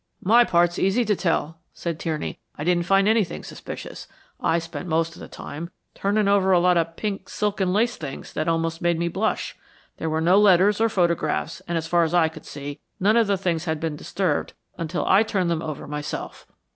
"My part's easy to tell," said Tierney. "I didn't find anything suspicious. I spent most of the time turning over a lot of pink silk and lace things that almost made me blush. There were no letters or photographs, and as far as I could see, none of the things had been disturbed until I turned them over myself."